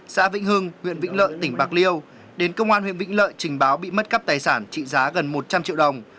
xã vĩnh hưng huyện vĩnh lợi tỉnh bạc liêu đến công an huyện vĩnh lợi trình báo bị mất cắp tài sản trị giá gần một trăm linh triệu đồng